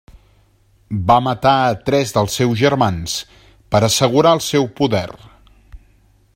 Va matar a tres dels seus germans per assegurar el seu poder.